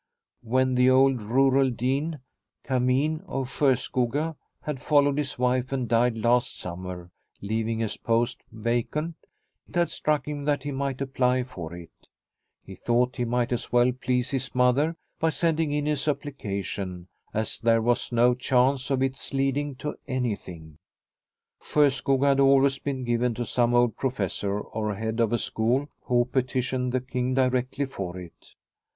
When the old rural dean Cameen of Sjoskoga had followed his wife and died last summer, leaving his post vacant, it had struck him that he might apply for it. He thought he might as well please his mother by sending in his application, as there was no chance of its leading to anything. Sjoskoga had always been given to some old professor or head of a school who petitioned the King directly for it.